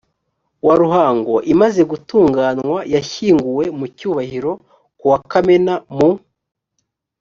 wa ruhango imaze gutunganywa yashyinguwe mu cyubahiro kuwa kamena mu